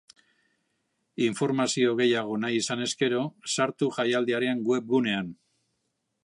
Informazio gehiago nahi izanez gero, sartu jaialdiaren web gunean.